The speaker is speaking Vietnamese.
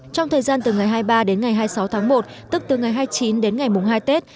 trong thời gian từ ngày hai mươi ba đến ngày hai mươi sáu tháng một tức từ ngày hai mươi chín đến ngày mùng hai tết